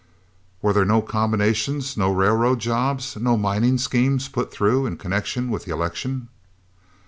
"Were there no combinations, no railroad jobs, no mining schemes put through in connection with the election?